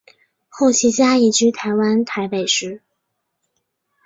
后其家移居台湾台北市。